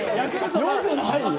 よくないよ。